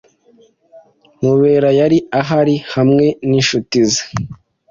Mubera yari ahari hamwe ninshuti ze.